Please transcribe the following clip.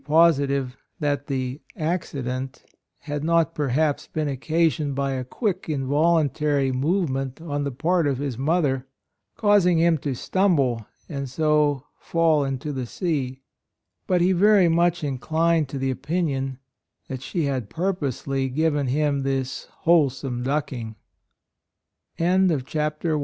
49 positive that the "accident" had not perhaps been occasioned by a quick, involuntary move ment on the part of his mother, causing him to stumble and so fall into the sea ; but he very much inclined to the opinion that she had purposely given him this wholesome ducki